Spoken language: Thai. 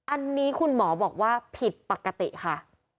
อันนี้คุณหมอบอกว่าผิดปกติค่ะ